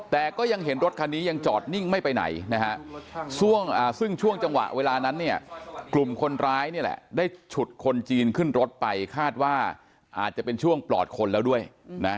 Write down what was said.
แต่ก็ยังเห็นรถคันนี้ยังจอดนิ่งไม่ไปไหนนะฮะซึ่งช่วงจังหวะเวลานั้นเนี่ยกลุ่มคนร้ายเนี่ยแหละได้ฉุดคนจีนขึ้นรถไปคาดว่าอาจจะเป็นช่วงปลอดคนแล้วด้วยนะ